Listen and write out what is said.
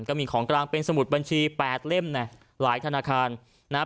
ก็มีของกลางเป็นสมุดบัญชีแปดเล่มเนี่ยหลายธนาคารนะครับ